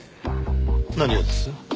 何がです？